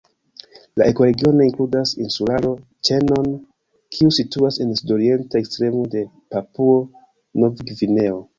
La ekoregiono inkludas insularo-ĉenon kiu situas en la sudorienta ekstremo de Papuo-Novgvineo.